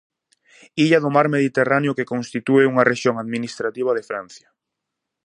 Illa do Mar Mediterráneo que constitúe unha rexión administrativa de Francia.